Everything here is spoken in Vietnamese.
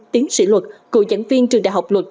tiến sĩ luật cựu giảng viên trường đại học luật